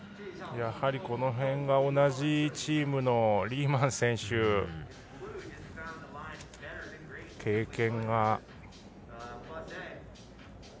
やはり、この辺が同じチームのリーマン選手、経験が。